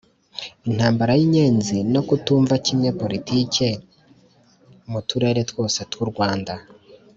intambara y' inyenzi no kutumva kimwe politike mu turere twose tw' u rwanda,